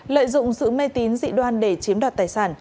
lợi dụng sự mê tín dị đoan để chiếm đoạt tài sản